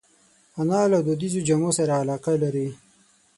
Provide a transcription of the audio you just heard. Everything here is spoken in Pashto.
انا له دودیزو جامو سره علاقه لري